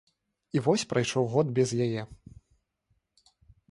І вось прайшоў год без яе.